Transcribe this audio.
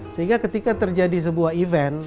sehingga ketika terjadi sebuah event